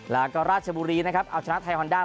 แล้วก็ราชบุรีนะครับเอาชนะไทยฮอนด้า